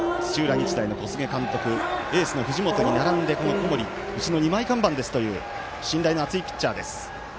日大の小菅監督エースの藤本に並んでうちの二枚看板ですという信頼の厚いピッチャーです。